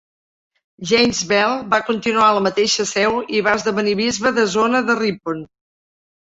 James Bell va continuar a la mateixa seu, i va esdevenir bisbe de zona de Ripon.